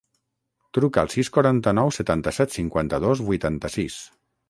Truca al sis, quaranta-nou, setanta-set, cinquanta-dos, vuitanta-sis.